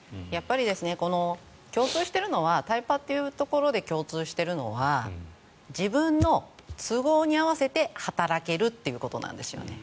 共通しているのはタイパというところで共通しているのは自分の都合に合わせて働けるということなんです。